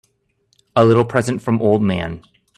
A little present from old man.